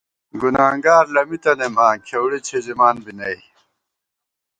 گُنانگار لَمِی تنَئیم آں ، کھېوڑی څِھزِمان بی نئ